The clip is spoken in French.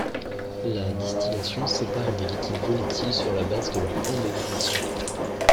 La distillation sépare des liquides volatils sur la base de leur points d'ébullition.